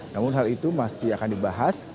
namun hal itu masih akan dibahas